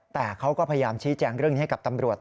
แต่เขาก็พยายามชี้แจงเรื่องนี้ให้กับตำรวจ